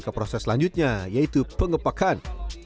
ke proses selanjutnya yaitu pengepakan